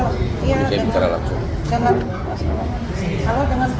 ations indonesia untuk masyarakat